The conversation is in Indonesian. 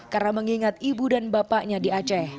karena mengingat ibu dan bapaknya di aceh